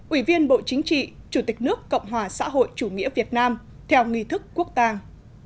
ủy viên bộ chính trị chủ tịch nước cộng hòa xã hội chủ nghĩa việt nam theo nghi thức quốc tàng